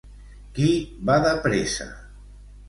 Qui va de pressa?